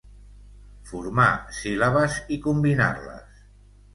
Formar síl·labes i combinar-les.